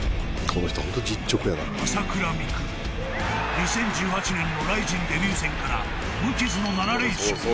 ［２０１８年のＲＩＺＩＮデビュー戦から無傷の７連勝］